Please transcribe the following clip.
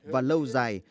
và lâu dài